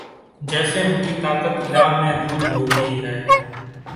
جیسے ان کی طاقت لامحدود ہو گئی ہے۔